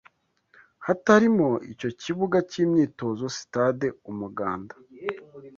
hatarimo icyo kibuga cy’imyitozo sitade Umuganda